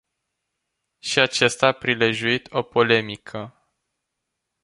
Și acesta a prilejuit o polemică.